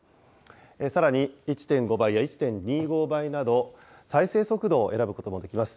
さらに１．５倍や１．２５倍など再生速度を選ぶこともできます。